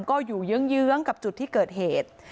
ก็อยู่เยื้องกับจุดที่เกิดเหตุ